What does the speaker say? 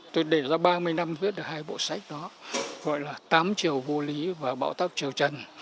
tôi để ra ba mươi năm viết được hai bộ sách đó gọi là tám triều vô lý và bảo tác triều trần